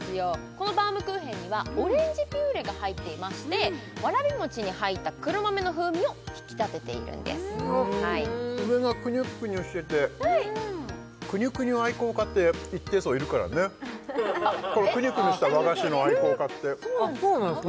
このバウムクーヘンにはオレンジピューレが入っていましてわらび餅に入った黒豆の風味を引き立てているんです上がクニュックニュしててクニュクニュ愛好家って一定層いるからねこのクニュクニュした和菓子の愛好家ってそうなんすか？